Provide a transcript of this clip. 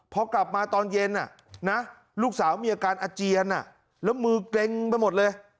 พอกลับมาตอนเย็นลูกสาวมีอาการอาเจียนแล้วมือเกร็งไปหมดเลย